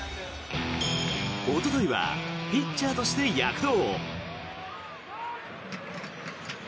おとといはピッチャーとして躍動。